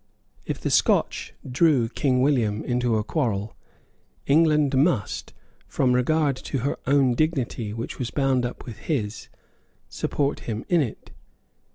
If the Scotch drew King William into a quarrel, England must, from regard to her own dignity which was bound up with his, support him in it.